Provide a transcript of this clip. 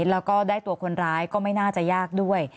แล้วก็ได้ตัวคนร้ายก็ไม่น่าจะยากด้วย